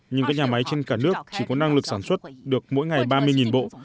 nhưng các nhà máy trên cả nước chỉ có năng lực sản xuất được mỗi ngày ba mươi bộ